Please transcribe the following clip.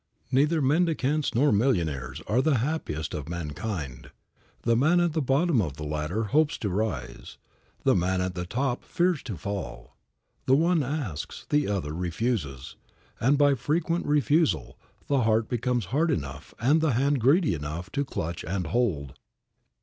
Neither mendicants nor millionaires are the happiest of mankind. The man at the bottom of the ladder hopes to rise; the man at the top fears to fall. The one asks; the other refuses; and, by frequent refusal, the heart becomes hard enough and the hand greedy enough to clutch and hold.